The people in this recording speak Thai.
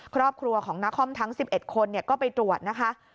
ครอบครัวของนครทั้ง๑๑คนก็ไปตรวจนะคะ